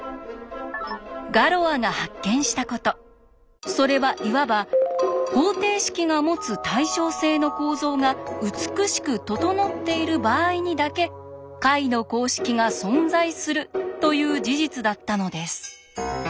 ガロアが発見したことそれはいわば「方程式が持つ対称性の構造が美しく整っている場合にだけ解の公式が存在する」という事実だったのです。